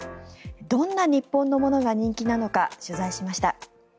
どんな日本のものが人気なのか取材しました。